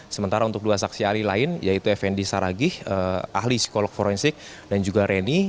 sementara untuk dua saksi ahli lain yaitu effendi saragih ahli psikolog forensik dan juga reni